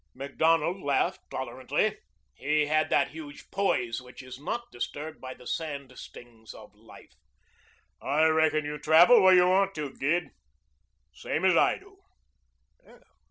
Macdonald laughed tolerantly. He had that large poise which is not disturbed by the sand stings of life. "I reckon you travel where you want to, Gid, same as I do."